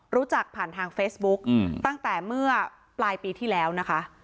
รู้จักผ่านทางเฟซบุ๊กตั้งแต่เมื่อปลายปีที่แล้วนะคะ